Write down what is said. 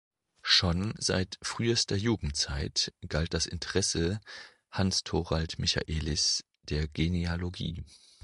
Schon seit frühester Jugendzeit galt das Interesse Hans-Thorald Michaelis der Genealogie.